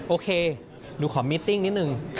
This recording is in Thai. โอเคหนูขอมิตติ้งนิดนึง